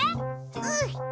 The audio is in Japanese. うん！